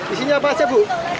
isinya apa saja bu